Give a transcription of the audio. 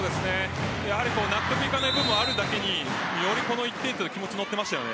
納得いかない部分もあるだけにより気持ち乗っていましたよね。